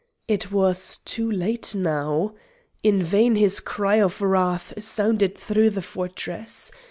It was too late now. In vain his cry of wrath sounded through the fortress.